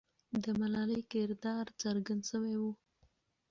د ملالۍ کردار څرګند سوی وو.